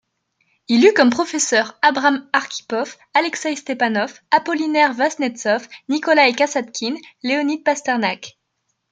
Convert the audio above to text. Il eut comme professeurs Abram Arkhipov, Alexeï Stepanov, Apollinaire Vaznetsov, Nikolaï Kassatkine, Leonid Pasternak.